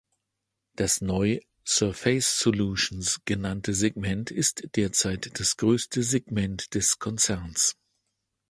Das neu Surface Solutions genannte Segment ist derzeit das grösste Segment des Konzerns.